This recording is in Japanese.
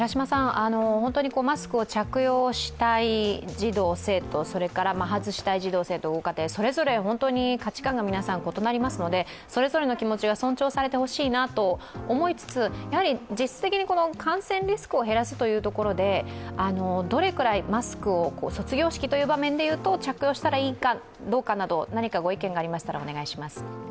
マスクを着用したい児童・生徒、それから外したい児童・生徒、ご家庭、それぞれ本当に価値観が皆さん異なりますので、それぞれの気持ちが尊重されてほしいなと思いつつ実質的に感染リスクを減らすというところでどれくらいマスクを卒業式という場面でいうと着用したらいいかどうかなど、何かご意見がありましたらお願いします。